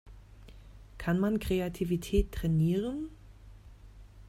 Kann man Kreativität trainieren?